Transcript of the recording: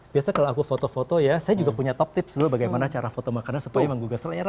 biasanya kalau aku foto foto ya saya juga punya top tips loh bagaimana cara foto makanan supaya menggugah selera